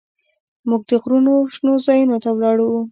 موږ د غرونو شنو ځايونو ته ولاړو.